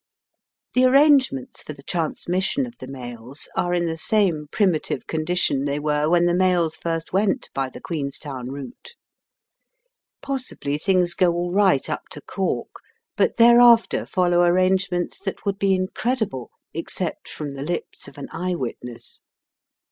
The arrangements for the transmission of the mails are in the same primitive condition they were when the mails first went by the Queenstown route. Possibly things go all right up to Cork, but thereafter follow arrange ments that would be incredible except from the lips of an eye witness.